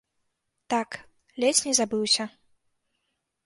Так, ледзь не забыўся.